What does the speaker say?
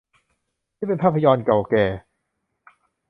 นี่เป็นภาพยนตร์เก่าแก่